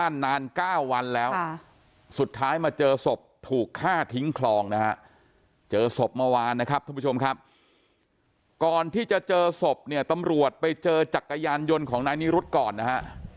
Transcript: ก่อนที่จะเจอศพเนี่ยตำรวจไปเจอจักรยานยนต์ของนายนิรุธก่อนนะฮะ